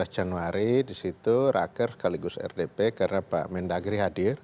enam belas januari disitu raker sekaligus rdp karena pak mendagri hadir